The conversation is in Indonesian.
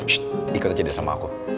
shhh ikut aja deh sama aku